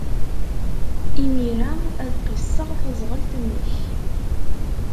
Imir-a, ad qisseɣ taẓɣelt-nnek.